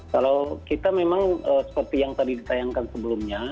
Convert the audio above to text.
kalau kita memang seperti yang tadi ditayangkan sebelumnya